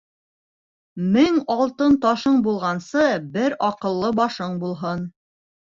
Мең алтын ташың булғансы, бер аҡыллы башың булһын.